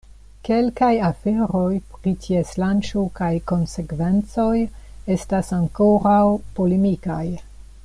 Kelkaj aferoj pri ties lanĉo kaj konsekvencoj estas ankoraŭ polemikaj.